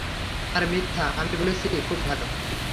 আর মিথ্যা আমি বলেছি, খুব ভালো।